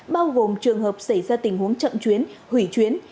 bao gồm trường hợp xảy ra tình huống chậm chuyến hủy chuyến